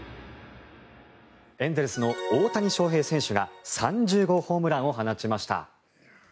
エンゼルスの大谷翔平選手が３０号ホームランを放ちました。